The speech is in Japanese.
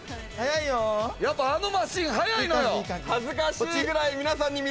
やっぱ、あのマシン速いのよ。